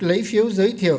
lấy phiếu giới thiệu